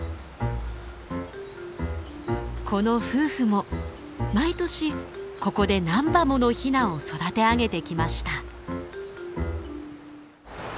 この夫婦も毎年ここで何羽ものヒナを育て上げてきました。